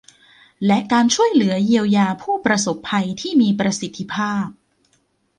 และการช่วยเหลือเยียวยาผู้ประสบภัยที่มีประสิทธิภาพ